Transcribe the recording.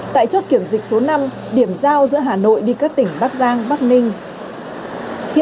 tại chốt kiểm dịch số năm điểm giao giữa hà nội đi các tỉnh bắc giang bắc ninh